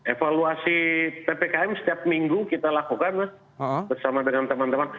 evaluasi ppkm setiap minggu kita lakukan mas bersama dengan teman teman